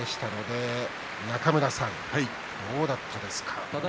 中村さん、どうだったですか。